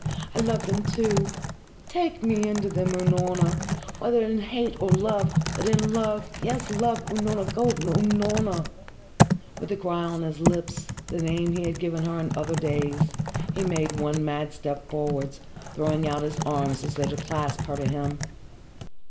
I love them, too! Take me into them, Unorna whether in hate or love but in love yes love Unorna golden Unorna!" With the cry on his lips the name he had given her in other days he made one mad step forwards, throwing out his arms as though to clasp her to him.